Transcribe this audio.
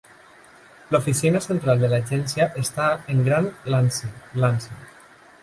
L'oficina central de l'agència està en Grand-Lancy, Lancy.